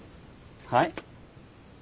はい。